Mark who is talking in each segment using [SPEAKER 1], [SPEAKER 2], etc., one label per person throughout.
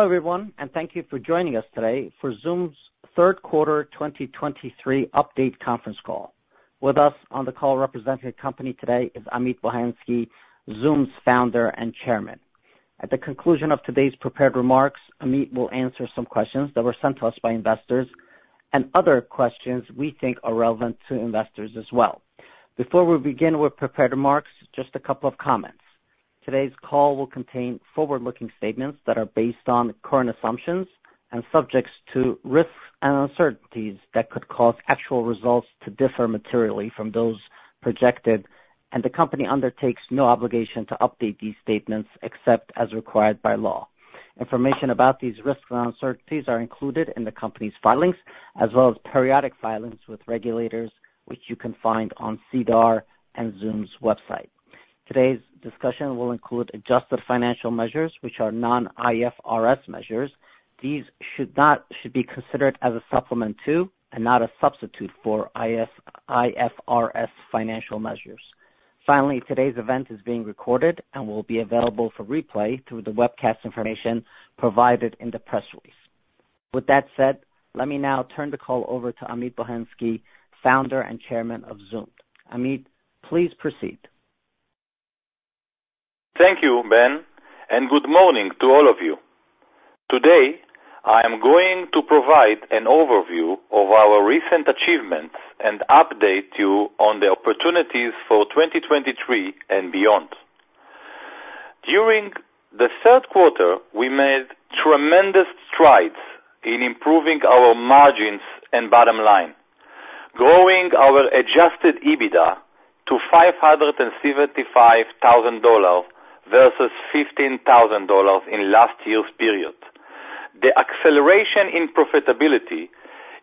[SPEAKER 1] Hello, everyone, and thank you for joining us today for Zoomd's Zoomd 2023 update conference call. With us on the call representing the company today is Amit Bohensky, Zoomd's founder and chairman. At the conclusion of today's prepared remarks, Amit will answer some questions that were sent to us by investors and other questions we think are relevant to investors as well. Before we begin with prepared remarks, just a couple of comments. Today's call will contain forward-looking statements that are based on current assumptions and subjects to risks and uncertainties that could cause actual results to differ materially from those projected, and the company undertakes no obligation to update these statements except as required by law. Information about these risks and uncertainties are included in the company's filings, as well as periodic filings with regulators, which you can find on SEDAR and Zoomd's website. Today's discussion will include adjusted financial measures, which are non-IFRS measures. These should not be considered as a supplement to and not a substitute for IFRS financial measures. Finally, today's event is being recorded and will be available for replay through the webcast information provided in the press release. With that said, let me now turn the call over to Amit Bohensky, Founder and Chairman of Zoomd. Amit, please proceed.
[SPEAKER 2] Thank you, Ben, and good morning to all of you. Today, I am going to provide an overview of our recent achievements and update you on the opportunities for 2023 and beyond. During the Q3, we made tremendous strides in improving our margins and bottom line, growing our Adjusted EBITDA to $575,000 versus $15,000 in last year's period. The acceleration in profitability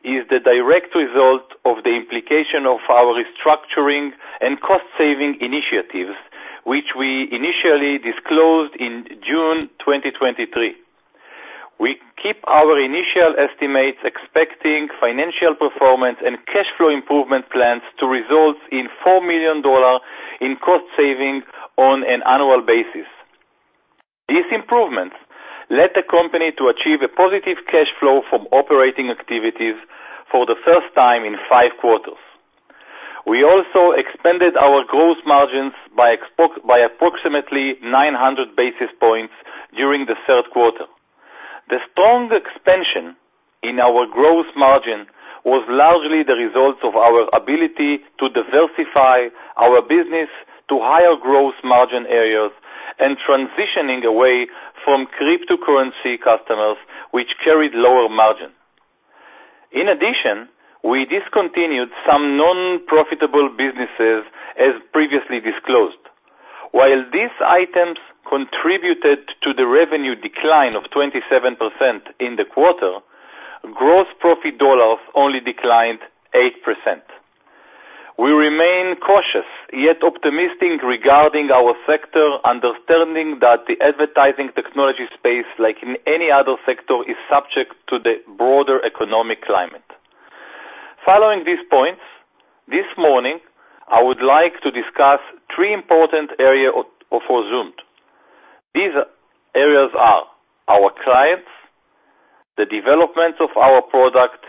[SPEAKER 2] is the direct result of the implementation of our restructuring and cost-saving initiatives, which we initially disclosed in June 2023. We keep our initial estimates, expecting financial performance and cash flow improvement plans to result in $4 million in cost savings on an annual basis. These improvements led the company to achieve a positive cash flow from operating activities for the first time in five quarters. We also expanded our gross margins by approximately 900 basis points during the Q3. The strong expansion in our gross margin was largely the result of our ability to diversify our business to higher gross margin areas and transitioning away from cryptocurrency customers, which carried lower margin. In addition, we discontinued some non-profitable businesses as previously disclosed. While these items contributed to the revenue decline of 27% in the quarter, gross profit dollars only declined 8%. We remain cautious, yet optimistic regarding our sector, understanding that the advertising technology space, like in any other sector, is subject to the broader economic climate. Following these points, this morning, I would like to discuss three important areas of for Zoomd. These areas are our clients, the development of our product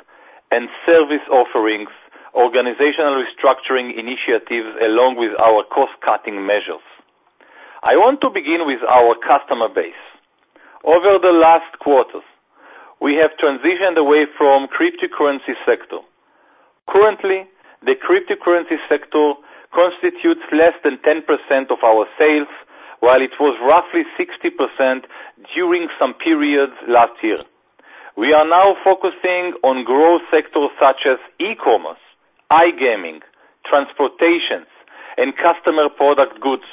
[SPEAKER 2] and service offerings, organizational restructuring initiatives, along with our cost-cutting measures. I want to begin with our customer base. Over the last quarters, we have transitioned away from cryptocurrency sector. Currently, the cryptocurrency sector constitutes less than 10% of our sales, while it was roughly 60% during some periods last year. We are now focusing on growth sectors such as e-commerce, iGaming, transportation, and consumer product goods,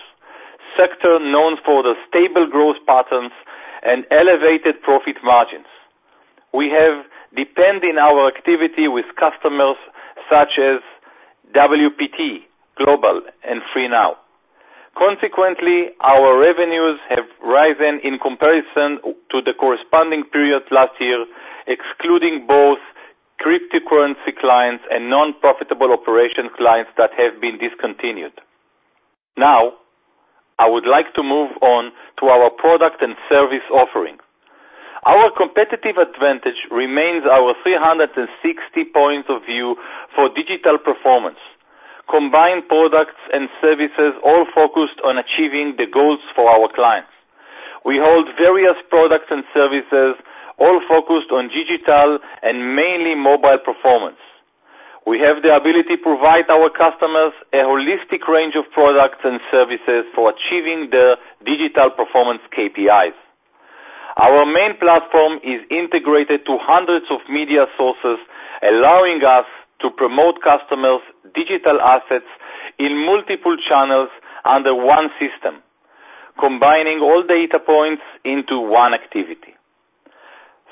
[SPEAKER 2] sector known for the stable growth patterns and elevated profit margins. We have deepened our activity with customers such as WPT Global and Freenow. Consequently, our revenues have risen in comparison to the corresponding period last year, excluding both cryptocurrency clients and non-profitable operation clients that have been discontinued. Now, I would like to move on to our product and service offering. Our competitive advantage remains our 360-degree view for digital performance, combined products and services, all focused on achieving the goals for our clients. We hold various products and services, all focused on digital and mainly mobile performance. We have the ability to provide our customers a holistic range of products and services for achieving their digital performance KPIs. Our main platform is integrated to hundreds of media sources, allowing us to promote customers' digital assets in multiple channels under one system, combining all data points into one activity.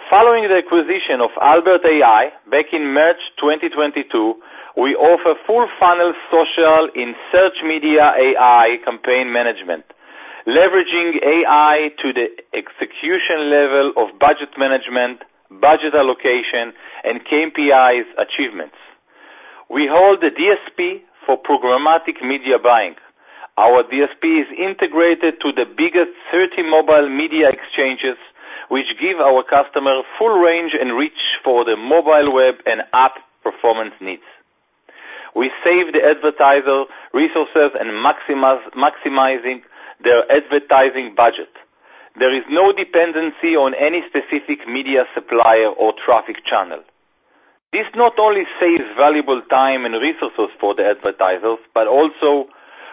[SPEAKER 2] Following the acquisition of Albert AI back in March 2022, we offer full-funnel social in search media AI campaign management, leveraging AI to the execution level of budget management, location and KPIs achievements. We hold the DSP for programmatic media buying. Our DSP is integrated to the biggest 30 mobile media exchanges, which give our customers full range and reach for the mobile, web, and app performance needs. We save the advertiser resources and maximizing their advertising budget. There is no dependency on any specific media supplier or traffic channel. This not only saves valuable time and resources for the advertisers, but also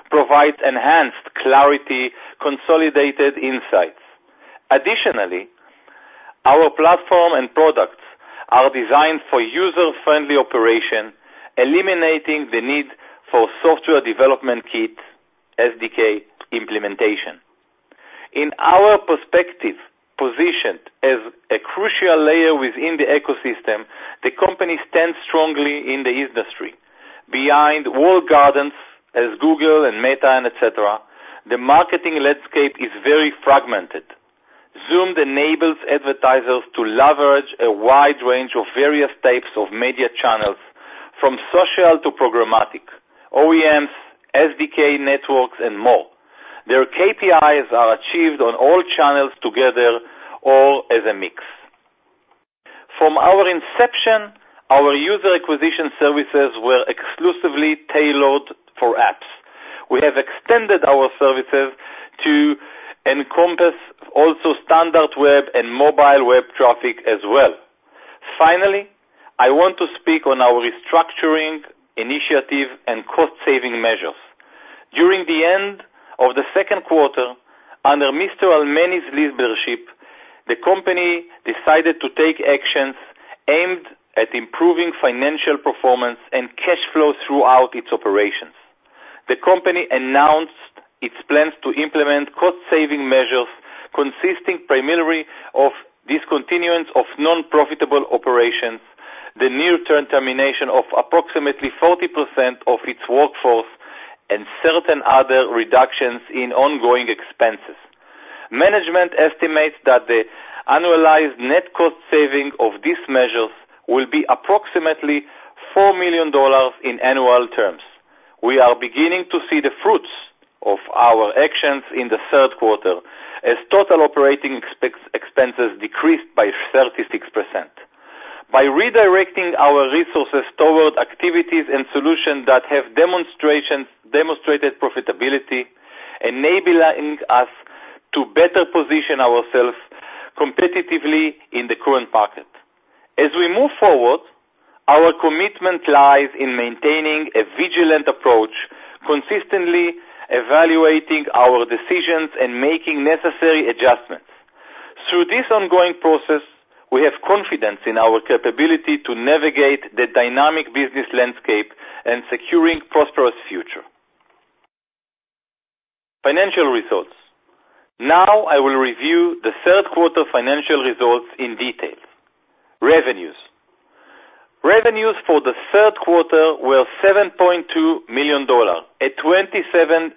[SPEAKER 2] provides enhanced clarity, consolidated insights. Additionally, our platform and products are designed for user-friendly operation, eliminating the need for software development kit, SDK, implementation. In our perspective, positioned as a crucial layer within the ecosystem, the company stands strongly in the industry. Behind walled gardens, as Google and Meta, and et cetera, the marketing landscape is very fragmented. Zoomd enables advertisers to leverage a wide range of various types of media channels, from social to programmatic, OEMs, SDK networks, and more. Their KPIs are achieved on all channels together, all as a mix. From our inception, our user acquisition services were exclusively tailored for apps. We have extended our services to encompass also standard web and mobile web traffic as well. Finally, I want to speak on our restructuring initiative and cost-saving measures. During the end of the Q2, under Mr. Almany's leadership, the company decided to take actions aimed at improving financial performance and cash flow throughout its operations. The company announced its plans to implement cost-saving measures, consisting primarily of discontinuance of non-profitable operations, the near-term termination of approximately 40% of its workforce, and certain other reductions in ongoing expenses. Management estimates that the annualized net cost saving of these measures will be approximately $4 million in annual terms. We are beginning to see the fruits of our actions in the Q3, as total operating expenses decreased by 36%. By redirecting our resources toward activities and solutions that have demonstrated profitability, enabling us to better position ourselves competitively in the current market. As we move forward, our commitment lies in maintaining a vigilant approach, consistently evaluating our decisions and making necessary adjustments. Through this ongoing process, we have confidence in our capability to navigate the dynamic business landscape and securing prosperous future. Financial results. Now, I will review the Q3 financial results in detail. Revenues. Revenues for the Q3 were $7.2 million, a 27%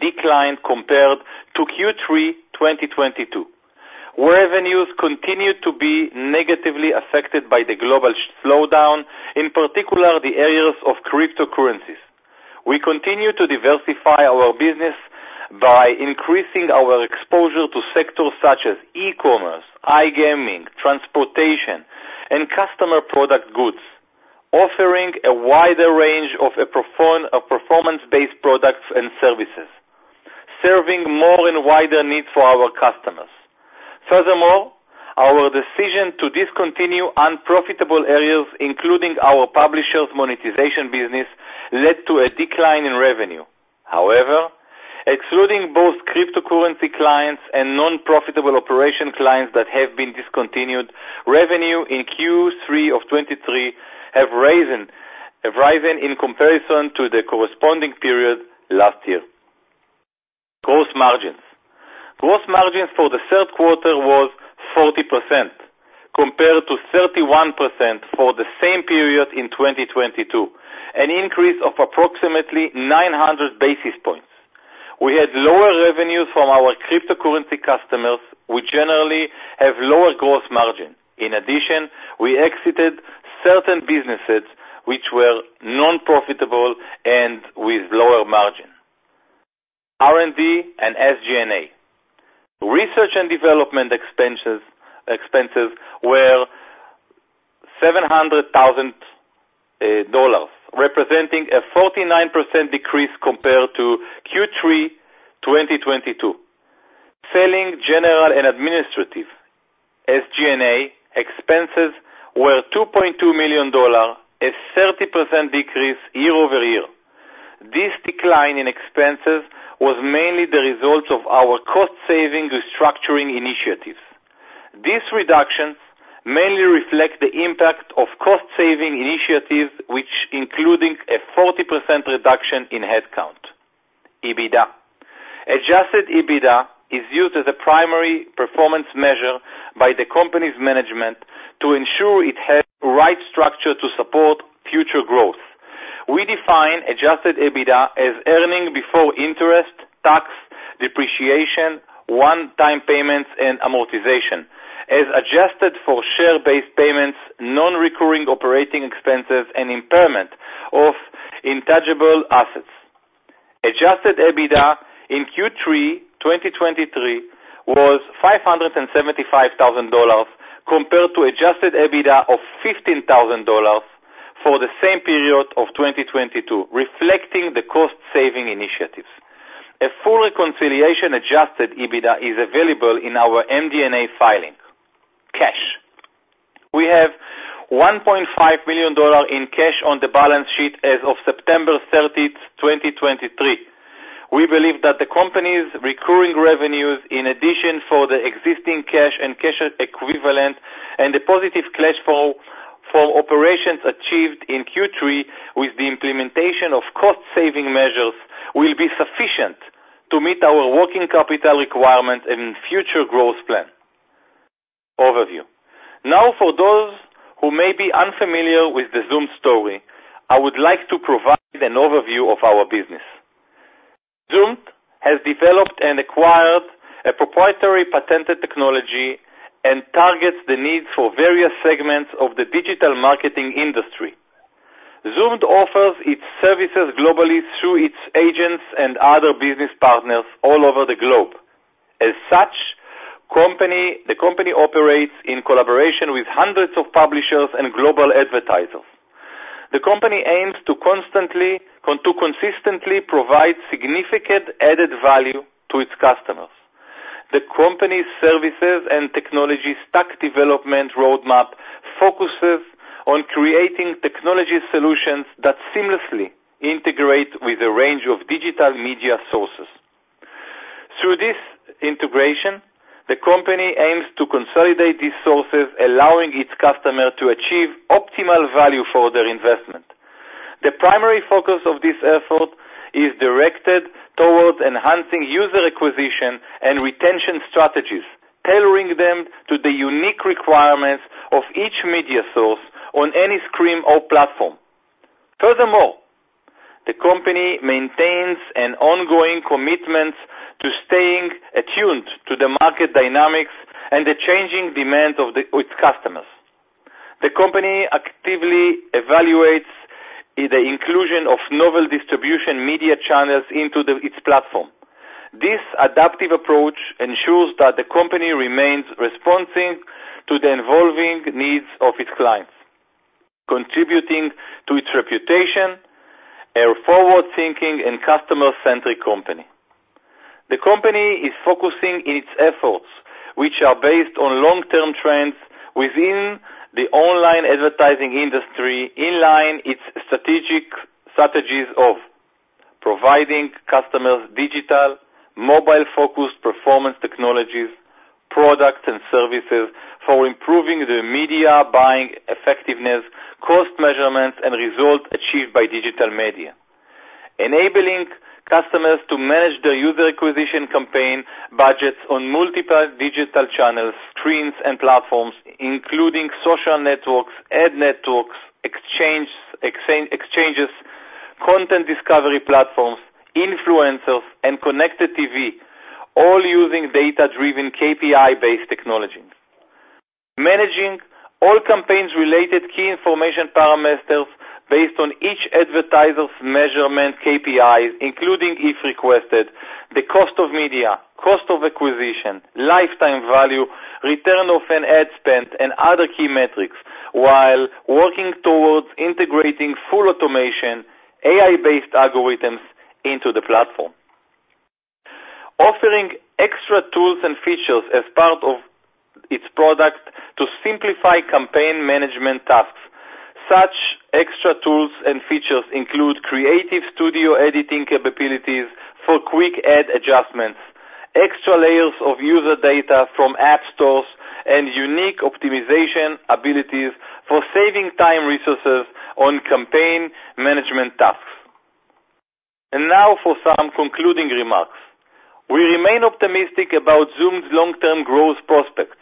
[SPEAKER 2] decline compared to Q3 2022, where revenues continued to be negatively affected by the global slowdown, in particular, the areas of cryptocurrencies. We continue to diversify our business by increasing our exposure to sectors such as e-commerce, iGaming, transportation, and customer product goods, offering a wider range of a performance-based products and services, serving more and wider needs for our customers. Furthermore, our decision to discontinue unprofitable areas, including our publishers monetization business, led to a decline in revenue. However, excluding both cryptocurrency clients and non-profitable operation clients that have been discontinued, revenue in Q3 of 2023 have risen, have risen in comparison to the corresponding period last year. Gross margins. Gross margins for the Q3 was 40%, compared to 31% for the same period in 2022, an increase of approximately 900 basis points. We had lower revenues from our cryptocurrency customers, who generally have lower gross margin. In addition, we exited certain businesses which were non-profitable and with lower margin. R&D and SG&A. Research and development expenses, expenses were $700,000 dollars, representing a 49% decrease compared to Q3 2022. Selling general and administrative, SG&A, expenses were $2.2 million dollars, a 30% decrease year-over-year. This decline in expenses was mainly the result of our cost-saving restructuring initiatives. These reductions mainly reflect the impact of cost-saving initiatives, which included a 40% reduction in headcount. EBITDA. Adjusted EBITDA is used as a primary performance measure by the company's management to ensure it has the structure to support future growth. We define adjusted EBITDA as earnings before interest, tax, depreciation, one-time payments, and amortization, as adjusted for share-based payments, non-recurring operating expenses, and impairment of intangible assets. Adjusted EBITDA in Q3 2023 was $575,000 compared to adjusted EBITDA of $15,000 for the same period of 2022, reflecting the cost-saving initiatives. A full reconciliation of adjusted EBITDA is available in our MD&A filing. Cash. We have $1.5 million in cash on the balance sheet as of September 30, 2023. We believe that the company's recurring revenues, in addition for the existing cash and cash equivalent and the positive cash flow for operations achieved in Q3 with the implementation of cost-saving measures, will be sufficient to meet our working capital requirement and future growth plan. Overview. Now, for those who may be unfamiliar with the Zoomd story, I would like to provide an overview of our business. Zoomd has developed and acquired a proprietary patented technology and targets the needs for various segments of the digital marketing industry. Zoomd offers its services globally through its agents and other business partners all over the globe. As such, the company operates in collaboration with hundreds of publishers and global advertisers. The company aims to constantly to consistently provide significant added value to its customers. The company's services and technology stack development roadmap focuses on creating technology solutions that seamlessly integrate with a range of digital media sources. Through this integration, the company aims to consolidate these sources, allowing its customer to achieve optimal value for their investment. The primary focus of this effort is directed towards enhancing user acquisition and retention strategies, tailoring them to the unique requirements of each media source on any screen or platform. Furthermore, the company maintains an ongoing commitment to staying attuned to the market dynamics and the changing demands of its customers. The company actively evaluates the inclusion of novel distribution media channels into its platform. This adaptive approach ensures that the company remains responsive to the evolving needs of its clients, contributing to its reputation, a forward-thinking and customer-centric company. The company is focusing its efforts, which are based on long-term trends within the online advertising industry, in line with its strategic strategies of: providing customers digital, mobile-focused performance technologies, products, and services for improving their media buying effectiveness, cost measurements, and results achieved by digital media. Enabling customers to manage their user acquisition campaign budgets on multiple digital channels, streams, and platforms, including social networks, ad networks, exchanges, content discovery platforms, influencers, and Connected TV, all using data-driven, KPI-based technologies. Managing all campaigns-related key information parameters based on each advertiser's measurement KPIs, including, if requested, the cost of media, cost of acquisition, lifetime value, return on ad spend, and other key metrics, while working towards integrating full automation, AI-based algorithms into the platform. Offering extra tools and features as part of its product to simplify campaign management tasks. Such extra tools and features include creative studio editing capabilities for quick ad adjustments, extra layers of user data from app stores, and unique optimization abilities for saving time resources on campaign management tasks. Now for some concluding remarks. We remain optimistic about Zoomd's long-term growth prospects.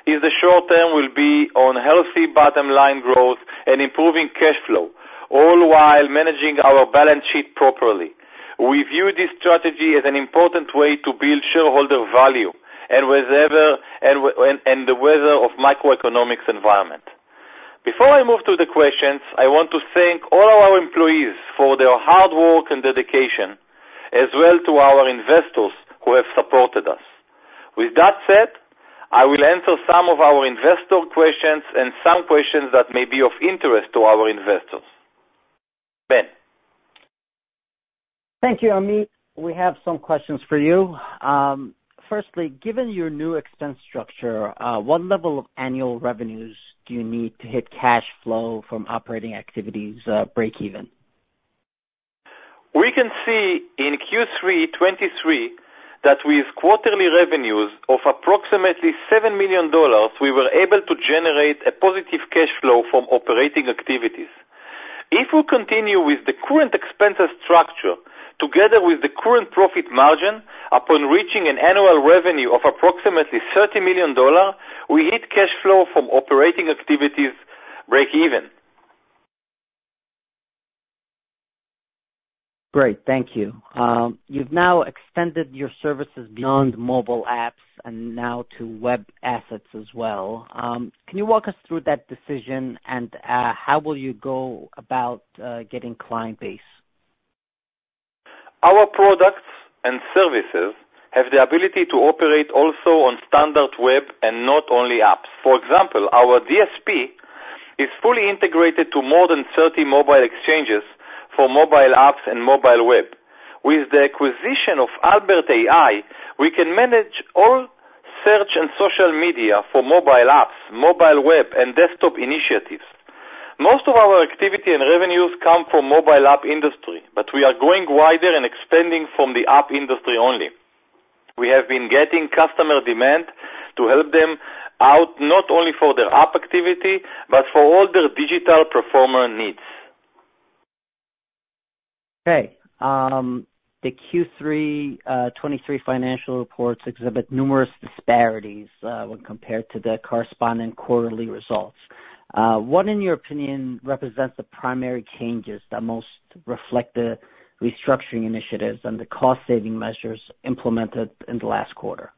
[SPEAKER 2] Our focus in the short term will be on healthy bottom line growth and improving cash flow, all while managing our balance sheet properly. We view this strategy as an important way to build shareholder value and whatever the macroeconomic environment. Before I move to the questions, I want to thank all our employees for their hard work and dedication, as well to our investors who have supported us. With that said, I will answer some of our investor questions and some questions that may be of interest to our investors. Ben?
[SPEAKER 1] Thank you, Amit. We have some questions for you. Firstly, given your new expense structure, what level of annual revenues do you need to hit cash flow from operating activities, break even?
[SPEAKER 2] We can see in Q3 2023, that with quarterly revenues of approximately $7 million, we were able to generate a positive cash flow from operating activities. If we continue with the current expenses structure, together with the current profit margin, upon reaching an annual revenue of approximately $30 million, we hit cash flow from operating activities breakeven.
[SPEAKER 1] Great, thank you. You've now extended your services beyond mobile apps and now to web assets as well. Can you walk us through that decision, and how will you go about getting client base?
[SPEAKER 2] Our products and services have the ability to operate also on standard web and not only apps. For example, our DSP is fully integrated to more than 30 mobile exchanges for mobile apps and mobile web. With the acquisition of Albert.ai, we can manage all search and social media for mobile apps, mobile web, and desktop initiatives. Most of our activity and revenues come from mobile app industry, but we are going wider and expanding from the app industry only. We have been getting customer demand to help them out, not only for their app activity, but for all their digital performance needs.
[SPEAKER 1] Okay. The Q3 2023 financial reports exhibit numerous disparities, when compared to the corresponding quarterly results. What, in your opinion, represents the primary changes that most reflect the restructuring initiatives and the cost-saving measures implemented in the last quarter?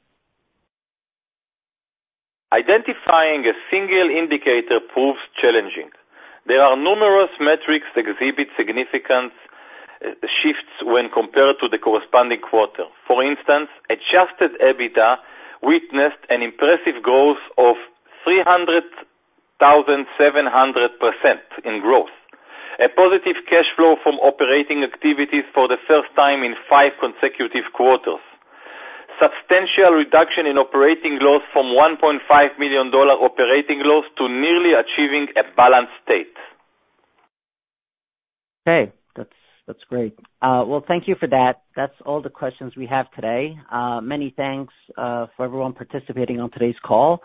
[SPEAKER 2] Identifying a single indicator proves challenging. There are numerous metrics exhibit significant shifts when compared to the corresponding quarter. For instance, Adjusted EBITDA witnessed an impressive growth of 300,700% in growth. A positive cash flow from operating activities for the first time in five consecutive quarters. Substantial reduction in operating loss from $1.5 million operating loss to nearly achieving a balanced state.
[SPEAKER 1] Okay. That's, that's great. Well, thank you for that. That's all the questions we have today. Many thanks for everyone participating on today's call.